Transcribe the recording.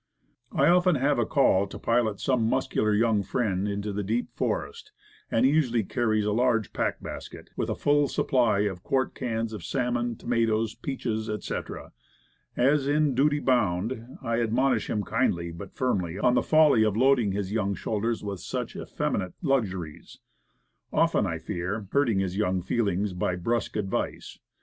I often have a call to pilot some muscular young friend into the deep forest, and he usually carries a large pack basket, with a full supply of quart cans of salmon, tomatoes, peaches, etc. As in duty bound, I admonish him kindly, but firmly, on the folly of loading his young shoulders with such effeminate luxuries; often, I fear, hurting his young feelings by brusque advice.